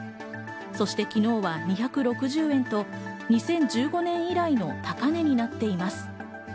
そして昨日は２６０円と２０１５年以来の高値になっています。